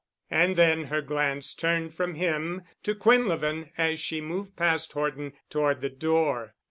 And then her glance turned from him to Quinlevin as she moved past Horton toward the door.